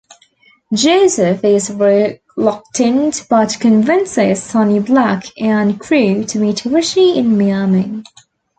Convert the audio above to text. Joseph is reluctant but convinces Sonny Black and crew to meet Richie in Miami.